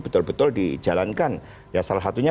betul betul dijalankan ya salah satunya